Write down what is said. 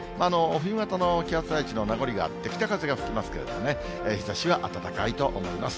冬型の気圧配置の名残があって、北風が吹きますけれどもね、日ざしは暖かいと思います。